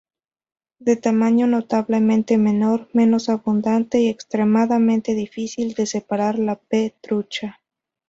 De tamaño notablemente menor, menos abundante, y extremadamente difícil de separar de "P. trucha".